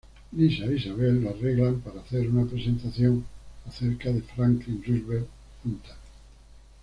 Lisa e Isabel arreglan para hacer una presentación acerca de Franklin Roosevelt juntas.